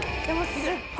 すごい。